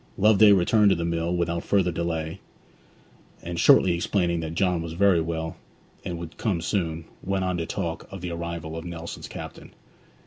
Loveday returned to the mill without further delay; and shortly explaining that John was very well, and would come soon, went on to talk of the arrival of Nelson's captain.